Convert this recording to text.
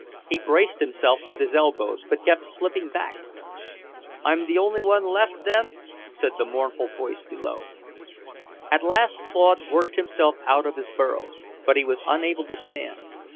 He braced himself with his elbows, but kept slipping back. "I'm the only one left, then?" said the mournful voice below. At last Claude worked himself out of his burrow, but he was unable to stand.